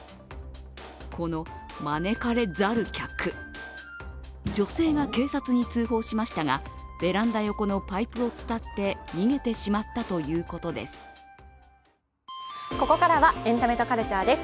この招かれザル客、女性が警察に通報しましたが、ベランダ横のパイプを伝って逃げてしまったということです。